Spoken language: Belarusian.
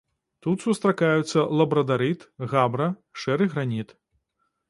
Тут сустракаюцца лабрадарыт, габра, шэры граніт.